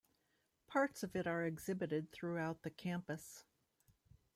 Parts of it are exhibited throughout the campus.